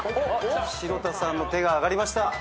城田さんの手があがりました。